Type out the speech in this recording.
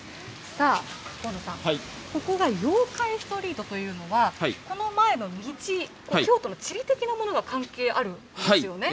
さあ、河野さん、ここが妖怪ストリートというのは、この前の道、京都の地理的なものが関係あるんですよね。